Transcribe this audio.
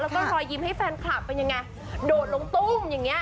แล้วก็รอยยิ้มให้แฟนคลับเป็นยังไงโดดลงตุ้มอย่างนี้